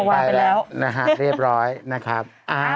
ไปแล้วนะฮะเรียบร้อยนะครับ